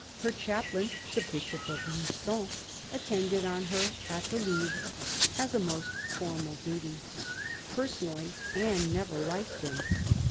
Her chaplain, the Bishop of LU9on, attended on her at the Louvre as a most formal duty. Personally, Anne never liked him.